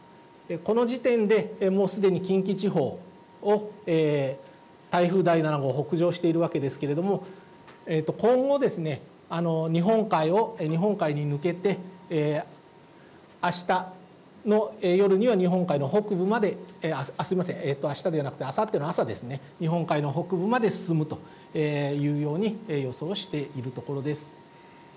この時点で、もうすでに近畿地方を台風第７号、北上しているわけですけれども、今後ですね、日本海に抜けて、あしたの夜には日本海の北部まで、すみません、あしたではなくて、あさっての朝ですね、日本海の北部まで進むというように予想しているところです。